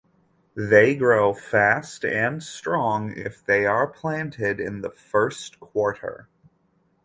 They grow fast and strong if they are planted in the first quarter.